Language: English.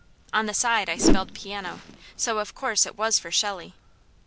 On the side I spelled Piano, so of course it was for Shelley.